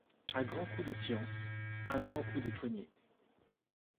À grands coups de science, à grands coups de cognée